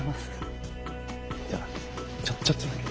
じゃあちょっとだけ。